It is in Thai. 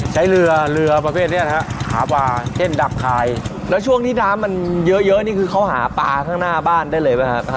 ใช้เรือเรือประเภทเนี้ยนะฮะหาปลาเช่นดับคายแล้วช่วงที่น้ำมันเยอะเยอะนี่คือเขาหาปลาข้างหน้าบ้านได้เลยไหมครับ